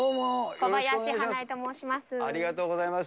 小林英恵と申します。